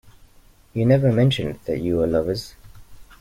He never mentioned that you were lovers.